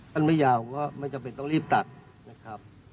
ไม่ยาวก็ไม่จำเป็นต้องรีบตัดนะครับ